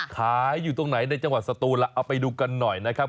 ขายอยู่ตรงไหนในจังหวัดสตูนล่ะเอาไปดูกันหน่อยนะครับ